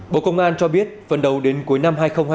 bộ công an cho biết phần đầu đến cuối năm hai nghìn hai mươi